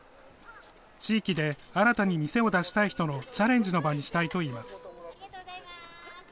地域で新たに店を出したい人のチャレンジの場にしたいといいます。